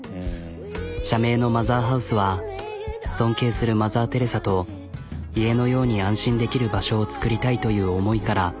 社名のマザーハウスは尊敬するマザー・テレサと家のように安心できる場所を作りたいという思いから。